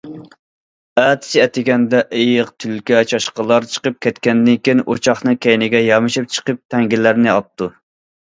ئەتىسى ئەتىگەندە ئېيىق، تۈلكە، چاشقانلار چىقىپ كەتكەندىن كېيىن ئوچاقنىڭ كەينىگە يامىشىپ چىقىپ تەڭگىلەرنى ئاپتۇ.